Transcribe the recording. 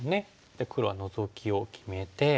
じゃあ黒はノゾキを決めて。